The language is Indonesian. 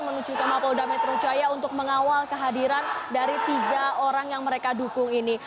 menuju ke mapolda metro jaya untuk mengawal kehadiran dari tiga orang yang mereka dukung ini